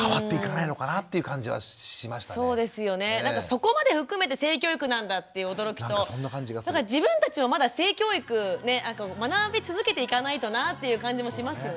そこまで含めて性教育なんだっていう驚きと自分たちもまだ性教育学び続けていかないとなっていう感じもしますよね。